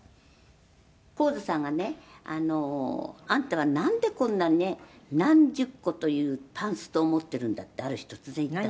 「神津さんがねあんたはなんでこんなね何十個というパンストを持ってるんだってある日突然言ったの」